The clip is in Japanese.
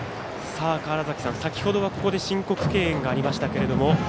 先ほどはここで申告敬遠がありましたけど。